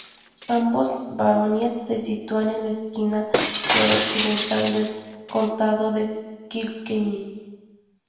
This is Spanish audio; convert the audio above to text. Ambas baronías se sitúan en la esquina noroccidental del Condado de Kilkenny.